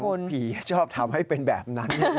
ผีชอบทำให้เป็นแบบนั้น